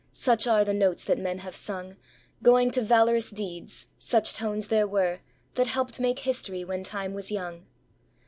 Such are the notes that men have sung Going to valorous deeds; such tones there were That helped make history when Time was young.